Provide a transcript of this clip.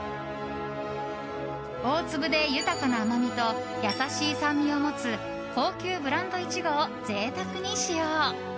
大粒で、豊かな甘みと優しい酸味を持つ高級ブランドイチゴを贅沢に使用。